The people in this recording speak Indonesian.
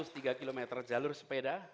ada satu ratus tiga km jalur sepeda